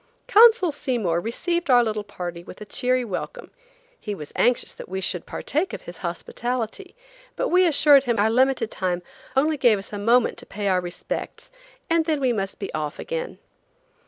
Consul Seymour received our little party with a cheery welcome. He was anxious that we should partake of his hospitality, but we assured him our limited time only gave us a moment to pay our respects, and then we must be off again.